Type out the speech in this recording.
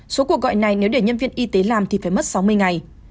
số cuộc gọi này nếu để nhân viên y tế làm thì phải mất sáu mươi ngày